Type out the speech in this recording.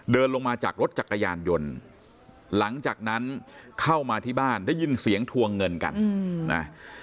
เดินลงมาจากรถจักรยานยนต์หลังจากนั้นเข้ามาที่บ้านได้ยินเสียงทวงเงินกันนะ